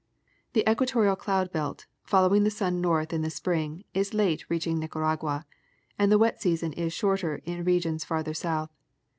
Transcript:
The equatorial cloud belt, following the sun north in the spring, is late reaching Nicaragua, and the wet season is shorter than in regions farther south.